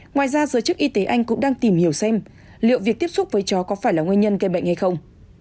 ngoài ra giới chức y tế anh cũng đang tìm hiểu xem liệu việc tiếp xúc với chó có phải là nguyên nhân gây bệnh hay không